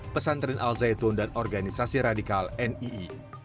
alat penyelidikan al zaitun dan organisasi radikal nii